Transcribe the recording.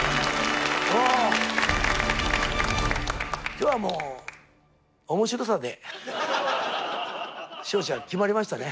今日はもう面白さで勝者が決まりましたね。